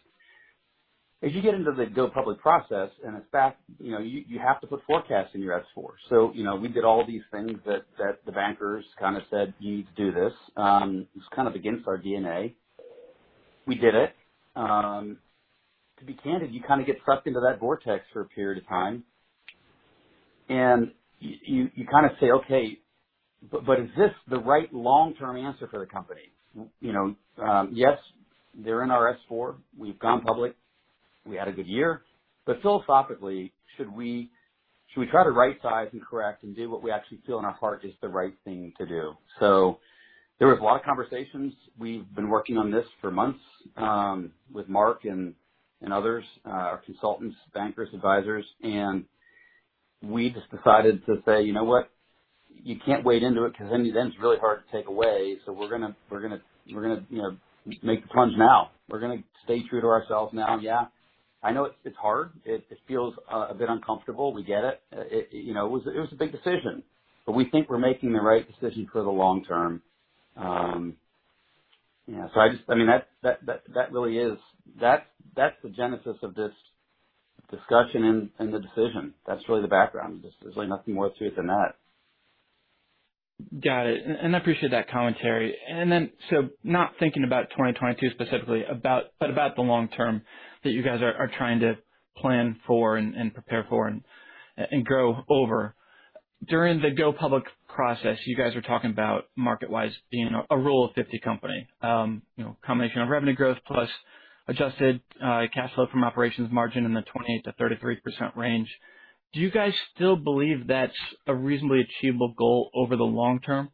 [SPEAKER 4] As you get into the go public process, and it's a fact, you know, you have to put forecasts in your S-4. You know, we did all these things that the bankers kind of said, "You need to do this." It was kind of against our DNA. We did it. To be candid, you kind of get sucked into that vortex for a period of time, and you kind of say, "Okay, but is this the right long-term answer for the company?" You know, yes, they're in our S-4. We've gone public. We had a good year. Philosophically, should we try to right-size and correct and do what we actually feel in our heart is the right thing to do? There was a lot of conversations. We've been working on this for months with Mark and others, our consultants, bankers, advisors, and we just decided to say, "You know what? You can't wade into it because then it's really hard to take away. We're gonna, you know, make the plunge now. We're gonna stay true to ourselves now. Yeah, I know it's hard. It feels a bit uncomfortable. We get it. You know, it was a big decision, but we think we're making the right decision for the long term. You know, I mean, that really is that. That's the genesis of this discussion and the decision. That's really the background. There's really nothing more to it than that.
[SPEAKER 10] Got it. I appreciate that commentary. Not thinking about 2022 specifically, but about the long term that you guys are trying to plan for and prepare for and grow over. During the go public process, you guys were talking about MarketWise being a Rule of 50 company, you know, combination of revenue growth plus adjusted cash flow from operations margin in the 28%-33% range. Do you guys still believe that's a reasonably achievable goal over the long term?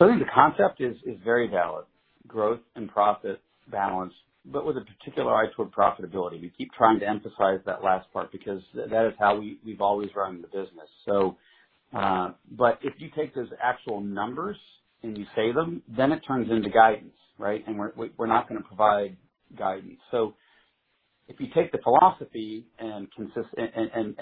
[SPEAKER 4] I think the concept is very valid, growth and profit balance, but with a particular eye toward profitability. We keep trying to emphasize that last part because that is how we've always run the business. But if you take those actual numbers and you say them, then it turns into guidance, right? We're not gonna provide guidance. If you take the philosophy and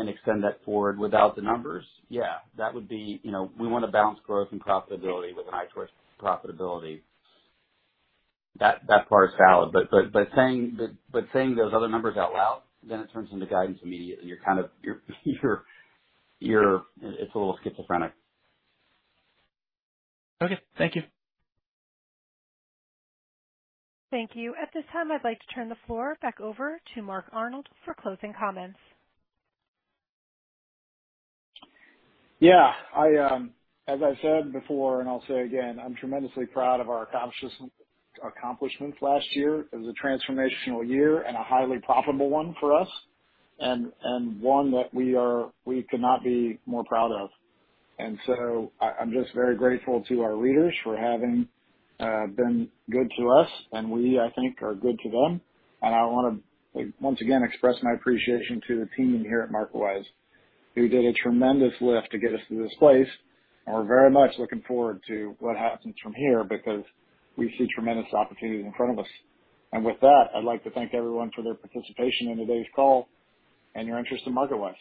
[SPEAKER 4] extend that forward without the numbers, yeah, that would be, you know, we want to balance growth and profitability with an eye towards profitability. That part is valid. Saying those other numbers out loud, then it turns into guidance immediately. You're kind of. It's a little schizophrenic.
[SPEAKER 10] Okay. Thank you.
[SPEAKER 1] Thank you. At this time, I'd like to turn the floor back over to Mark Arnold for closing comments.
[SPEAKER 3] Yeah. I, as I said before, and I'll say again, I'm tremendously proud of our accomplishments last year. It was a transformational year and a highly profitable one for us and one that we could not be more proud of. I'm just very grateful to our leaders for having been good to us, and we, I think, are good to them. I wanna once again express my appreciation to the team here at MarketWise, who did a tremendous lift to get us to this place. We're very much looking forward to what happens from here because we see tremendous opportunity in front of us. With that, I'd like to thank everyone for their participation in today's call and your interest in MarketWise.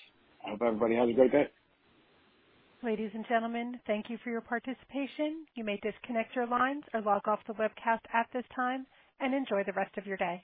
[SPEAKER 3] I hope everybody has a great day.
[SPEAKER 1] Ladies and gentlemen, thank you for your participation. You may disconnect your lines or log off the webcast at this time, and enjoy the rest of your day.